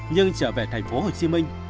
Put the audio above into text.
nhưng trở về thành phố hồ chí minh